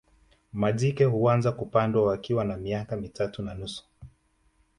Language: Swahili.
Majike huanza kupandwa wakiwa na miaka mitatu na nusu